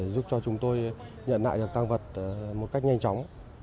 giúp cho chúng tôi nhận lại được tăng vật một cách nhanh chóng